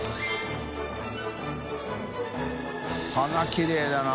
きれいだな。